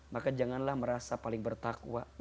maka janganlah merasa paling bertakwa